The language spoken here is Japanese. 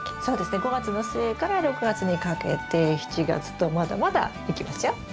そうですね５月の末から６月にかけて７月とまだまだできますよ。